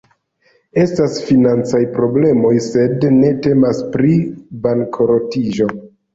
Estas financaj problemoj, sed ne temas pri bankrotiĝo.